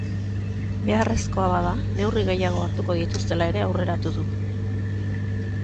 Beharrezkoa bada neurri gehiago hartuko dituztela ere aurreratu du.